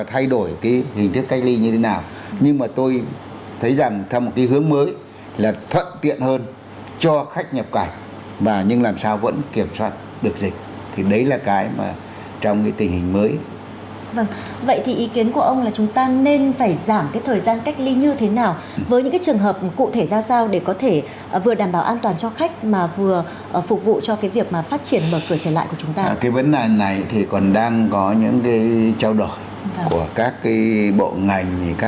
thế thì tôi muốn nói lại là xây dựng theo một hướng thông thoáng hơn cho điều kiện khách nhập cảnh